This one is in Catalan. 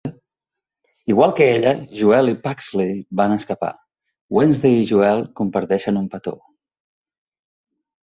Igual que ella, Joel i Pugsley van escapar, Wednesday i Joel comparteixen un petó.